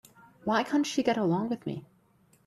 Why can't she get along with me?